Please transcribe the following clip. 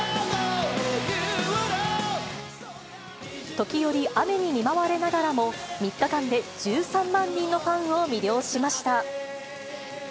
時折、雨に見舞われながらも３日間で１３万人のファンを魅了しました。